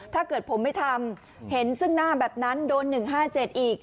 ถ้าเกิดผมไม่ทำเห็นซึ่งหน้าแบบนั้นโดน๑๕๗อีก